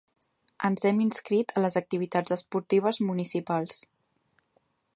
Ens hem inscrit a les activitats esportives municipals.